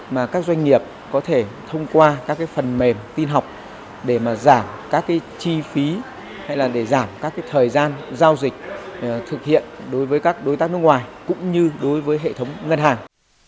mà các doanh nghiệp có thể thông qua các phần mềm tin học để mà giảm các chi phí hay là để giảm các thời gian giao dịch thực hiện đối với các đối tác nước ngoài cũng như đối với hệ thống ngân hàng